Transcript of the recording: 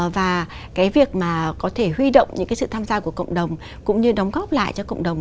và cái việc mà có thể huy động những cái sự tham gia của cộng đồng cũng như đóng góp lại cho cộng đồng